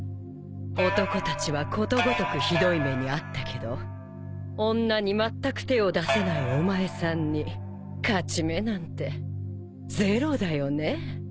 男たちはことごとくひどい目に遭ったけど女にまったく手を出せないお前さんに勝ち目なんてゼロだよねぇ。